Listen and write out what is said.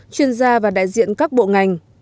chuyên gia và đại diện các bộ ngành